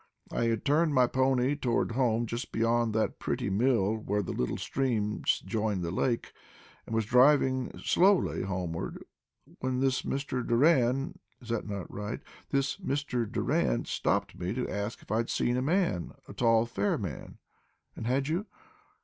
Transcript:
I had turned my pony toward home just beyond that pretty mill where the little streams join the lake, and was driving slowly homeward when this Mr. Doran is not that right? this Mr. Doran stopped me to ask if I had seen a man, a tall, fair man " "And had you?"